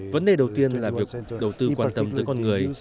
vấn đề đầu tiên là việc đầu tư quan tâm tới con người